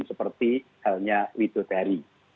seperti halnya widodari